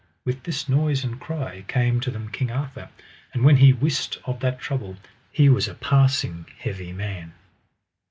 With this noise and cry came to them King Arthur, and when he wist of that trouble he was a passing heavy man.